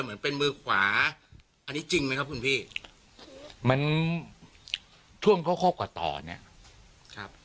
เหมือนเป็นมือขวาอันนี้จริงไหมครับคุณพี่มันช่วงเขาก็ต่อเนี้ยครับ